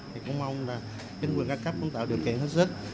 thì cũng mong là chính quyền các cấp cũng tạo điều kiện hết sức